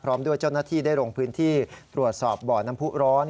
ด้วยเจ้าหน้าที่ได้ลงพื้นที่ตรวจสอบบ่อน้ำผู้ร้อน